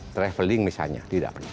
traveling misalnya tidak pernah